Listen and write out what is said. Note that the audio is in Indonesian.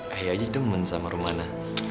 ayah aja demen sama romana